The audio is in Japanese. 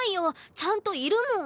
ちゃんといるもん！